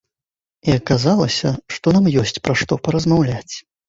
І аказалася, што нам ёсць пра што паразмаўляць.